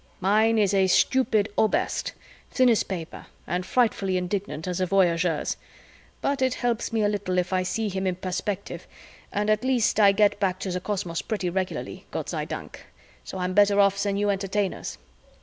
Mine is a stupid Oberst, thin as paper and frightfully indignant at the voyageurs! But it helps me a little if I see him in perspective and at least I get back to the cosmos pretty regularly, Gott sei Dank, so I'm better off than you Entertainers."